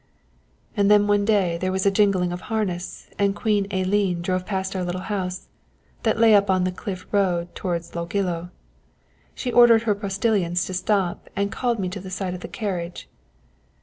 And then one day there was a jingling of harness and Queen Elene drove past our little house, that lay up on the cliff road towards Logillo. She ordered her postilions to stop and called me to the side of the carriage.